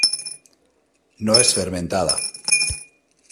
No es fermentada.